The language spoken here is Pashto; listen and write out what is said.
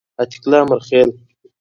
عتیق الله امرخیل